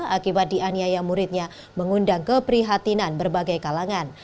akibat dianiaya muridnya mengundang keprihatinan berbagai kalangan